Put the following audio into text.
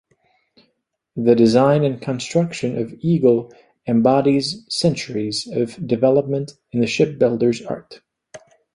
The design and construction of "Eagle" embodies centuries of development in the shipbuilder's art.